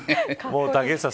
竹内さん